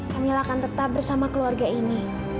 kami akan tetap bersama keluarga ini